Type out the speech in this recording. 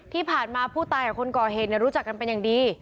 ที่ผ่านมาผู้ตายกับคนก่อเหตุรู้จักกันเป็นอย่างดี